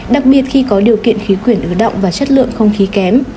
đặc biệt khi có điều kiện khí quyển ứ động và chất lượng không khí kém